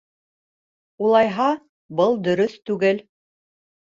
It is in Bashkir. Улайһа, был дөрөҫ түгел.